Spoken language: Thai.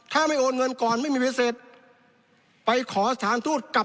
ถ้าไม่โอนเงินก่อนไม่มีใบเสร็จไปขอสถานทูตกลับ